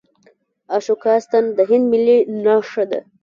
د اشوکا ستن د هند ملي نښه ده.